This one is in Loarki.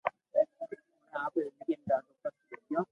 اوڻي آپري زندگي ۾ ڌاڌو ڪسٽ ڀوگيو